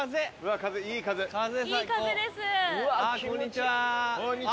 こんにちは。